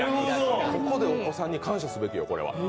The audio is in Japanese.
ここでお子さんに感謝すべきよ。